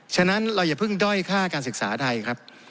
ฉะนั้นเราอย่าเพิ่งด้อยค่าการศึกษาไทยครับ